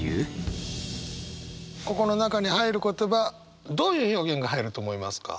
ここの中に入る言葉どういう表現が入ると思いますか？